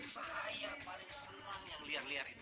saya paling senang yang liar liar itu